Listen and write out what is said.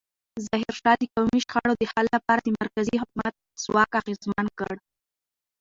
ظاهرشاه د قومي شخړو د حل لپاره د مرکزي حکومت ځواک اغېزمن کړ.